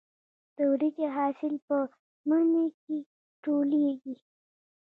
د وریجو حاصل په مني کې ټولېږي.